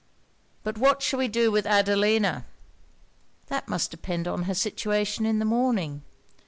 But what shall we do with Adelina?' 'That must depend on her situation in the morning.